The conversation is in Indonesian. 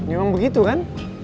emang begitu kan